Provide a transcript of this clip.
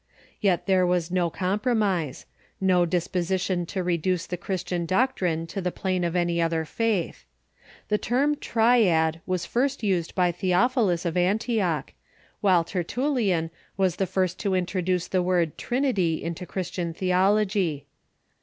Yet there was no compromise ; no disposition to reduce the Christian doctrine to the plane of any other faith. The term triad wafi first used by Theophilus of Antioch, while Ter tullian was the first to introduce the word trinity into Christian theology.